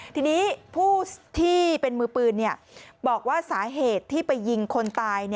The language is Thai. ทีนี้ผู้ที่เป็นมือปืนบอกว่าสาเหตุที่ไปยิงคนตาย